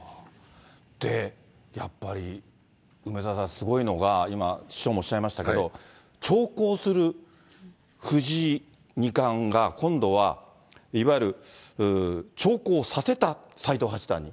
で、やっぱり梅沢さん、すごいのが、今、師匠もおっしゃいましたけど、長考する藤井二冠が、今度はいわゆる長考させた、斎藤八段に。